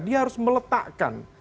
dia harus meletakkan